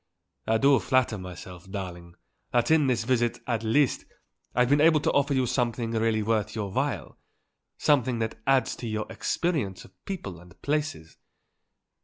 I do flatter myself, darling, that in this visit, at least, I've been able to offer you something really worth your while, something that adds to your experience of people and places.